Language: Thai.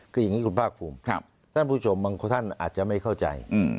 คืออย่างนี้คุณภาคภูมิท่านผู้ชมบางท่านอาจจะไม่เข้าใจ